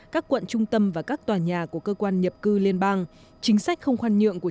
các quận trung tâm và các tòa nhà của cơ quan nhập cư liên bang chính sách không khoan nhượng của